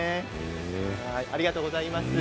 ありがとうございます。